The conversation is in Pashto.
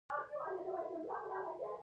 متل د قناعت ورکولو وسیله ده